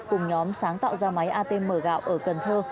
cùng nhóm sáng tạo ra máy atm gạo ở cần thơ